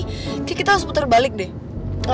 nanti kita harus putar balik deh